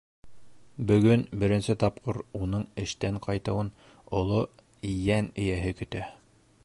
Бөгөн беренсе тапҡыр уның эштән ҡайтыуын оло йән эйәһе көтә.